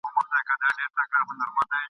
بې نصیبه له ارغنده پردی سوی له هلمنده !.